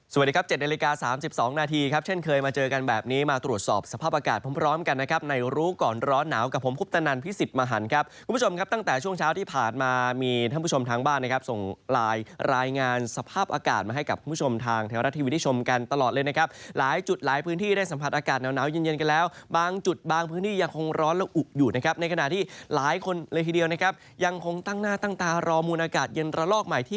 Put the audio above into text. สวัสดีครับ๗นาฬิกา๓๒นาทีครับเช่นเคยมาเจอกันแบบนี้มาตรวจสอบสภาพอากาศพร้อมพร้อมกันนะครับในรู้ก่อนร้อนหนาวกับผมคุบตนันพิสิทธิ์มหันครับคุณผู้ชมครับตั้งแต่ช่วงเช้าที่ผ่านมามีท่านผู้ชมทางบ้านนะครับส่งลายรายงานสภาพอากาศมาให้กับคุณผู้ชมทางแถวรัดทีวีที่ชมกันตลอดเลยนะคร